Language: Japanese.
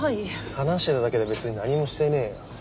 話してただけで別に何もしてねえよ。